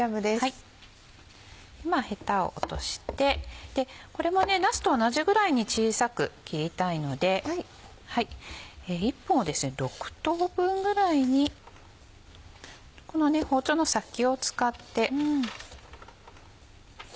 ヘタを落としてこれもなすと同じぐらいに小さく切りたいので１本を６等分ぐらいにこの包丁の先を使って。